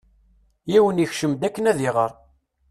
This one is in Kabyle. Yiwen ikcem-d akken ad iɣer.